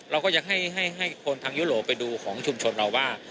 เราก็ยังให้คนทางยุโรปไปดูของชุมชนเราว่า